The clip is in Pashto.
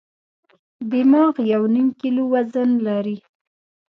دماغ یو نیم کیلو وزن لري.